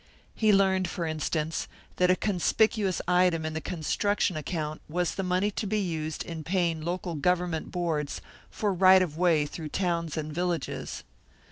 He learned, for instance, that a conspicuous item in the construction account was the money to be used in paying local government boards for right of way through towns and villages.